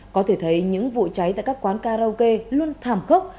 có thể thấy những vụ cháy tại các quán karaoke luôn thảm khốc